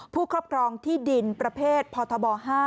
ครอบครองที่ดินประเภทพบ๕